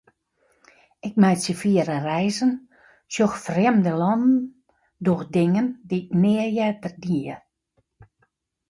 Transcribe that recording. Ik meitsje fiere reizen, sjoch frjemde lannen, doch dingen dy'k nea earder die.